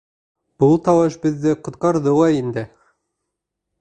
Был талаш беҙҙе ҡотҡарҙы ла инде.